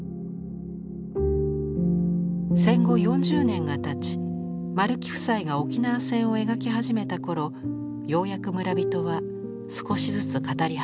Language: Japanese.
戦後４０年がたち丸木夫妻が沖縄戦を描き始めた頃ようやく村人は少しずつ語り始めました。